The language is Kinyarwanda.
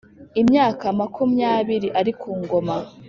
Imyaka makumyabiri ari ku ngoma